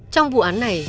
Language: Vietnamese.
trong vụ án này